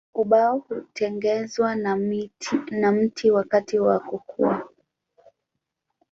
Ubao hutengenezwa na mti wakati wa kukua.